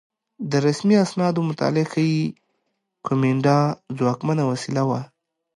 د رسمي اسنادو مطالعه ښيي کومېنډا ځواکمنه وسیله وه